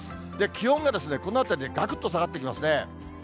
気温がこのあたりでがくっと下がってきますね。